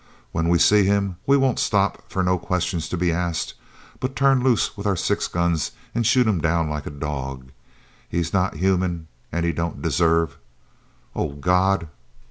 When we see him we won't stop for no questions to be asked, but turn loose with our six guns an' shoot him down like a dog. He's not human an' he don't deserve Oh, God!"